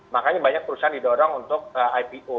makanya banyak perusahaan didorong untuk ipo